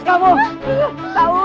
kau kaget banget